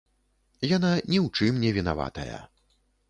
Яна ні ў чым не вінаватая.